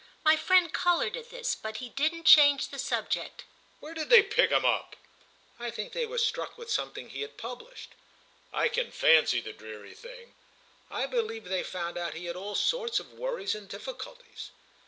My friend coloured at this, but he didn't change the subject. "Where did they pick him up?" "I think they were struck with something he had published." "I can fancy the dreary thing!" "I believe they found out he had all sorts of worries and difficulties."